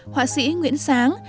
họa sĩ nguyễn sáng